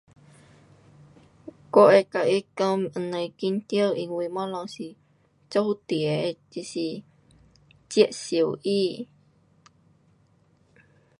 我会跟他讲甭紧张因为东西是注定的，就是接受它。